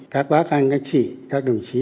các bác anh các chị các đồng chí